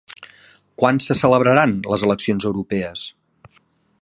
Quan se celebraran les eleccions europees?